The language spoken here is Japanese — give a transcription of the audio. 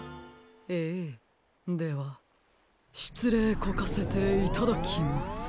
ええではしいつれいこかせていただきます！